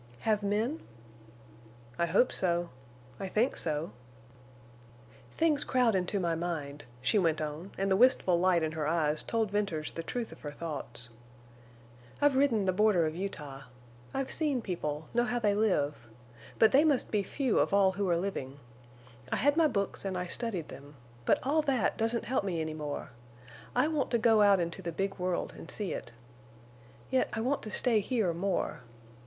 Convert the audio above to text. "Have men?" "I hope so—I think so." "Things crowd into my mind," she went on, and the wistful light in her eyes told Venters the truth of her thoughts. "I've ridden the border of Utah. I've seen people—know how they live—but they must be few of all who are living. I had my books and I studied them. But all that doesn't help me any more. I want to go out into the big world and see it. Yet I want to stay here more.